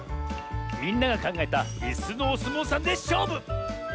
みんながかんがえたいすのおすもうさんでしょうぶ！